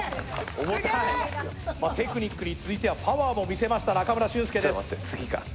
テクニックに続いてパワーも見せました、中村俊輔です。